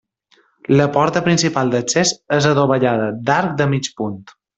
La porta principal d'accés és adovellada, d'arc de mig punt.